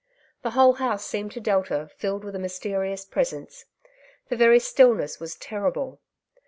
The whole house seemed to Delta filled with a mysterious presence. The very stillness was terrible.